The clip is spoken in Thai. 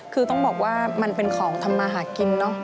คือต้องบอกว่ามันเป็นของทำมาหากินเนอะ